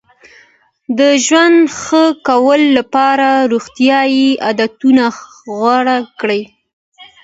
د ژوند ښه کولو لپاره روغتیایي عادتونه غوره کړئ.